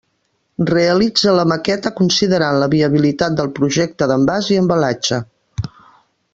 Realitza la maqueta considerant la viabilitat del projecte d'envàs i embalatge.